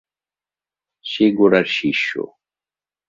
সে গোরার শিষ্য।